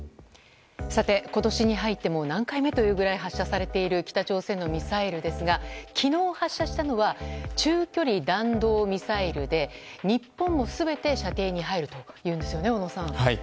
今年に入ってもう何回目というくらい発射されている北朝鮮のミサイルですが昨日発射したのは中距離弾道ミサイルで日本も全て射程に入るというんですよね小野さん。